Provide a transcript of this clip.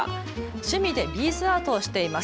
趣味でビーズアートをしています。